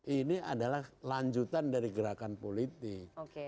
ini adalah lanjutan dari gerakan politik